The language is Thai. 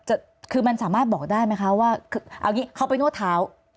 แหม่คือมันสามารถบอกได้ไหมคะว่าเอาอย่างงี้เข้าไปนวดเท้า